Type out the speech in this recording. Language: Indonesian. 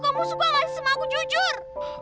kamu suka gak sama aku jujur